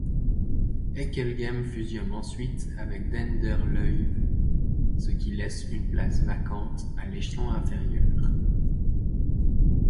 Hekelgem fusionne ensuite avec Denderleeuw, ce qui laisse une place vacante à l'échelon inférieur.